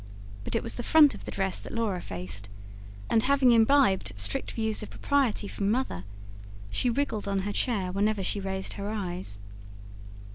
But it was the front of the dress that Laura faced; and, having imbibed strict views of propriety from Mother, she wriggled on her chair whenever she raised her eyes.